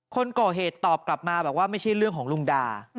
คนก่อเหตุตอบกลับมาบอกว่าไม่ใช่เรื่องของลุงดา